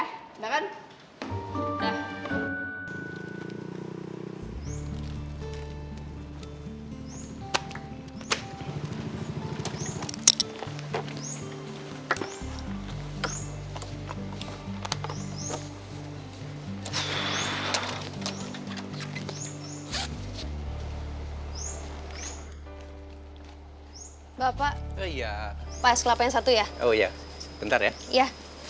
oh iya bentar ya